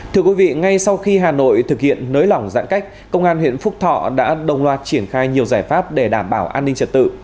thưa quý vị ngay sau khi hà nội thực hiện nới lỏng giãn cách công an huyện phúc thọ đã đồng loạt triển khai nhiều giải pháp để đảm bảo an ninh trật tự